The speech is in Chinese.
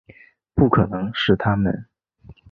不可能是他们